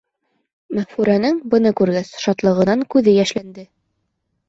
Мәғфүрәнең, быны күргәс, шатлығынан күҙе йәшләнде.